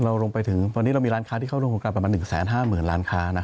ลงไปถึงตอนนี้เรามีร้านค้าที่เข้าร่วมโครงการประมาณ๑๕๐๐๐ล้านค้า